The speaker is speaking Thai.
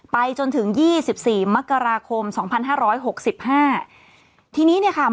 ไปจนถึงยี่สิบสี่มกราคมสองพันห้าร้อยหกสิบห้าทีนี้เนี่ยค่ะ